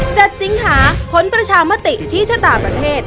เจ็ดสิงหาผลประชามาติที่ชะตาประเทศ